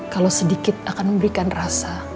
kalau sedikit akan memberikan rasa